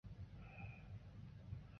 谨录状上。